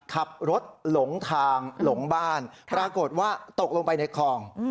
ขับรถหลงทางหลงบ้านปรากฏว่าตกลงไปในคลอง